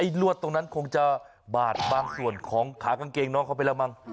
ลวดตรงนั้นคงจะบาดบางส่วนของขากางเกงน้องเขาไปแล้วมั้ง